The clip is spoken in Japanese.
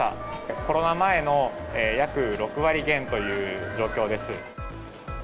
コロナ前の約６割減という状況です。